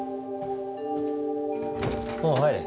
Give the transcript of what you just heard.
おう入れ。